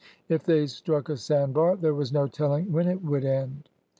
If they struck a sand bar there was no telling when it would end.